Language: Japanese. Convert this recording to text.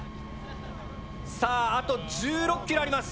さああと１６ｋｍあります。